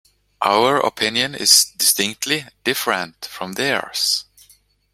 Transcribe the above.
Our opinion is distinctly different from theirs.